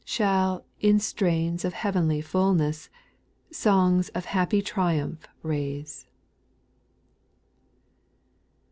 Shall, in strains of heavenly fullness, Songs of happy triumph raise.